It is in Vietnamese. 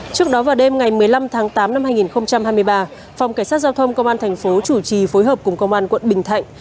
trước đó vào đêm ngày một mươi năm tháng tám năm hai nghìn hai mươi ba phòng cảnh sát giao thông công an thành phố chủ trì phối hợp cùng công an quận bình thạnh